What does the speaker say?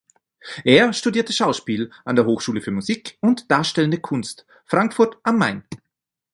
Er studierte Schauspiel an der Hochschule für Musik und Darstellende Kunst Frankfurt am Main.